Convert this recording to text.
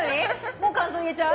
もう感想言えちゃう？